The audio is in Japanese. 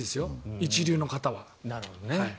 一流の方は。